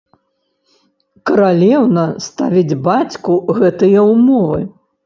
Каралеўна ставіць бацьку гэтыя ўмовы.